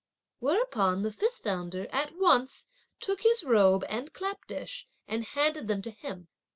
Whereupon the fifth founder at once took his robe and clap dish and handed them to him.